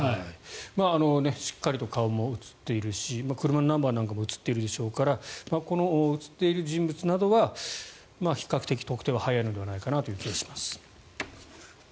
しっかりと顔も映っているし車のナンバーなんかも映っているでしょうからこの映っている人物などは比較的、特定は早いのではないかなという気がします。